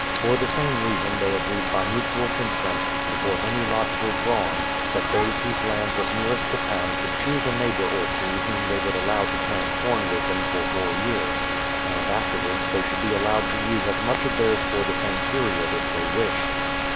For the same rea.'"^n th^y agreed 178 BRADFORD'S HISTORY OF by mutual consent, before any lots were drawn, that those whose land was nearest the town should choose a neighbour or two whom they would allow to plant corn with them for four years ; and afterwards they should be allowed to use as much of theirs for the same period if they wished.